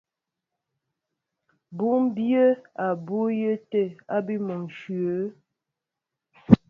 Bʉ́mbyɛ́ á bʉʉyɛ́ tə̂ ábí mɔnshyə̂.